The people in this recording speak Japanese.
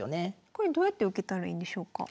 これどうやって受けたらいいんでしょうか？